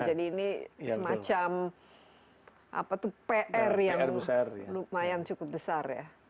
jadi ini semacam pr yang lumayan cukup besar ya